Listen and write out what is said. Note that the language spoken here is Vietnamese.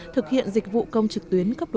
thực hiện dịch vụ công trực tuyến